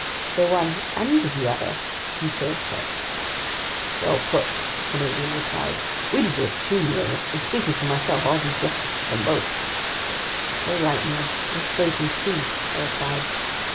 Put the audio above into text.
"The one and the other," Conseil said. "Well put," the Canadian replied. "We deserve two meals, and speaking for myself, I'll do justice to them both." "All right, Ned, let's wait and see!" I replied.